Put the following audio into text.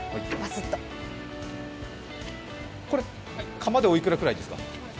カマでおいくらくらいですか？